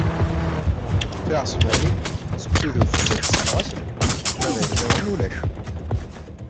Tiɛesbanin, seksu d ufettet ssneɣ-asen, ma d ayen nniḍen ulac.